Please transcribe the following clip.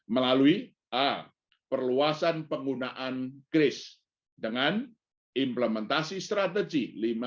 melalui a perluasan penggunaan grace dengan implementasi strategi